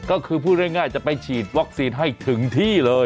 ก็คือพูดง่ายจะไปฉีดวัคซีนให้ถึงที่เลย